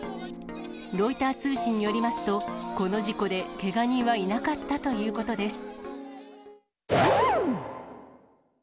ロイター通信によりますと、この事故でけが人はいなかったということです。